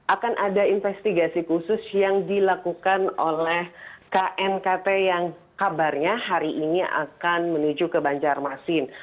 akan ada investigasi khusus yang dilakukan oleh knkt yang kabarnya hari ini akan menuju ke banjarmasin